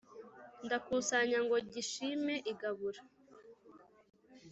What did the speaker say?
Ndakusanya ngo gishime igaburo.